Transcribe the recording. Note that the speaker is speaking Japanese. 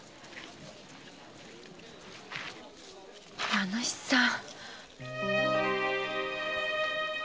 名主さん。